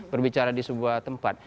berbicara di sebuah tempat